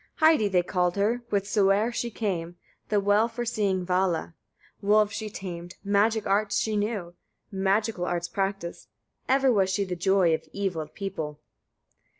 26. Heidi they called her, whithersoe'r she came, the well foreseeing Vala: wolves she tamed, magic arts she knew, magic arts practised; ever was she the joy of evil people.